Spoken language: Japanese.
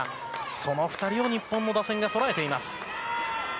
その２人を日本の打線が捉えています。